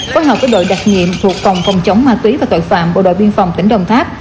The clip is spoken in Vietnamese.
phối hợp với đội đặc nhiệm thuộc phòng phòng chống ma túy và tội phạm bộ đội biên phòng tỉnh đồng tháp